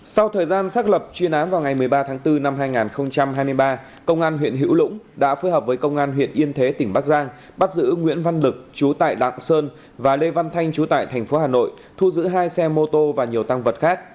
sau thời gian xác lập chuyên án vào ngày một mươi ba tháng bốn năm hai nghìn hai mươi ba công an huyện hữu lũng đã phối hợp với công an huyện yên thế tỉnh bắc giang bắt giữ nguyễn văn lực chú tại lạng sơn và lê văn thanh chú tại thành phố hà nội thu giữ hai xe mô tô và nhiều tăng vật khác